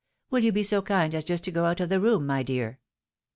Will you be so kind as just to go out of the room, my dear?